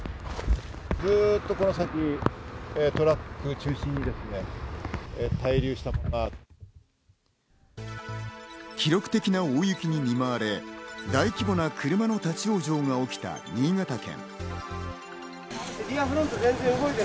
我々の取材においては、記録的な大雪に見舞われ、大規模な車の立ち往生が起きた新潟県。